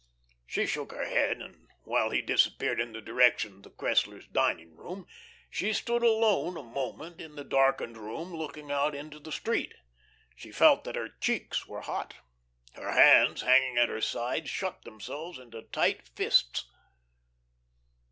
She shook her head, and while he disappeared in the direction of the Cresslers' dining room, she stood alone a moment in the darkened room looking out into the street. She felt that her cheeks were hot. Her hands, hanging at her sides, shut themselves into tight fists.